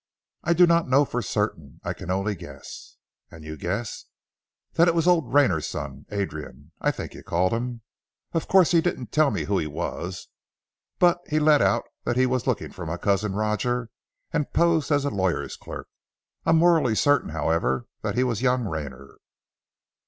"I do not know for certain. I can only guess." "And you guess " "That it was old Rayner's son Adrian, I think you called him. Of course he didn't tell me who he was, but he let out that he was looking for my Cousin Roger, and posed as a lawyer's clerk. I'm morally certain, however, that he was young Rayner!"